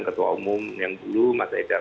ketua umum yang dulu mas haidar